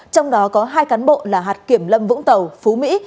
trong đó có hai cán bộ là hạt kiểm lâm vũng tàu phú mỹ